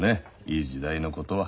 いい時代のことは。